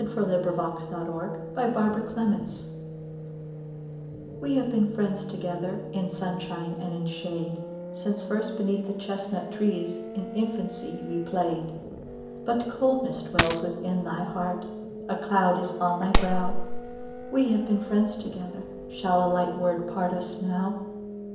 Caroline Norton We Have Been Friends Together WE have been friends together In sunshine and in shade, Since first beneath the chestnut trees, In infancy we played. But coldness dwells within thy heart, A cloud is on thy brow; We have been friends together, Shall a light word part us now?